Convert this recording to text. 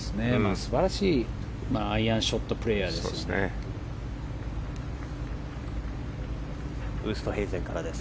素晴らしいアイアンショットプレーヤーですね。